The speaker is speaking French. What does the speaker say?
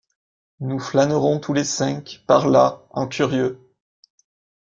Nous flânerons tous les cinq, par là, en curieux!